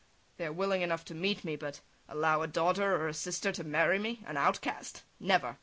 They are willing enough to meet me ... but allow a daughter or a sister to marry me, an outcast, never!